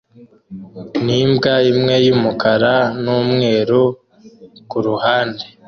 nimbwa imwe yumukara numweru kuruhande